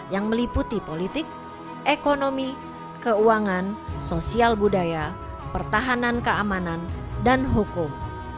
yang meliputi politik ekonomi keuangan sosial budaya pertahanan keamanan dan hukum